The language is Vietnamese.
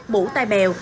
bổ tai bèo